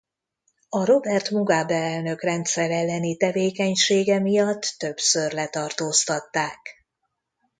A Robert Mugabe elnök rendszere elleni tevékenysége miatt többször letartóztatták.